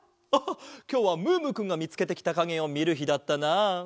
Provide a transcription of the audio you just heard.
ああきょうはムームーくんがみつけてきたかげをみるひだったなあ。